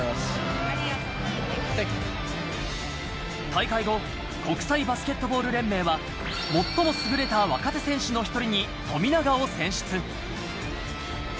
大会後、国際バスケットボール連盟は、最も優れた若手選手の１人に富永を選出。